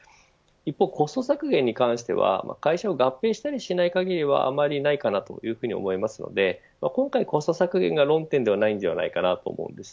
一方、コスト削減に関しては会社を合併したりしない限りはあまりないかなというふうに思いますので今回コスト削減が論点ではないと思います。